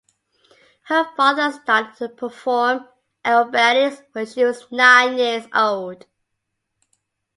Her father started to perform aerobatics when she was nine years old.